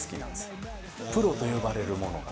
プロと呼ばれる者が。